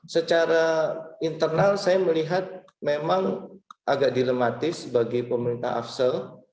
secara internal saya melihat memang agak dilematis bagi pemerintah afsel